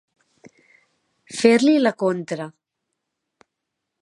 Fer-li la contra.